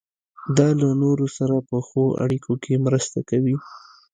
دا له نورو سره په ښو اړیکو کې مرسته کوي.